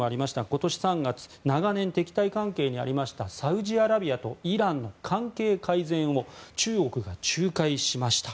今年３月長年、敵対関係にありましたサウジアラビアとイランの関係改善を中国が仲介しました。